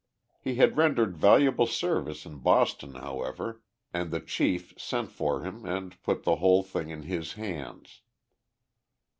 He had rendered valuable service in Boston, however, and the chief sent for him and put the whole thing in his hands.